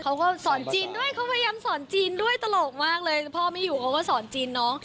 เขาก็สอนจีนด้วยเขาพยายามสอนจีนด้วยตลกมากเลยพ่อไม่อยู่เขาก็สอนจีนน้อง